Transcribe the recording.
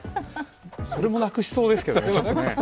それも、なくしそうですけどね。